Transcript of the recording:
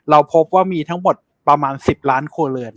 เราพบว่ามีทั้งหมดประมาณ๑๐ล้านครัวเรือน